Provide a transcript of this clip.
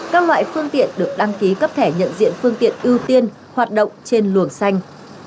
các loại phương tiện được đăng ký cấp thẻ nhận diện phương tiện ưu tiên hoạt động trên luồng xanh